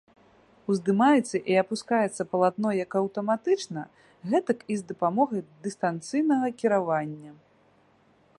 Уздымаецца і апускаецца палатно як аўтаматычна, гэтак і з дапамогай дыстанцыйнага кіравання.